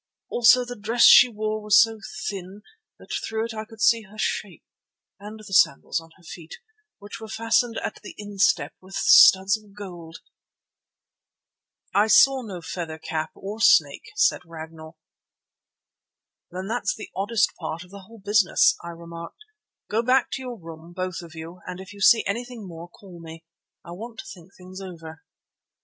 Also the dress she wore was so thin that through it I could see her shape and the sandals on her feet, which were fastened at the instep with studs of gold." "I saw no feather cap or snake," said Ragnall. "Then that's the oddest part of the whole business," I remarked. "Go back to your room, both of you, and if you see anything more, call me. I want to think things over."